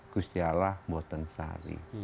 bustiwa boten sari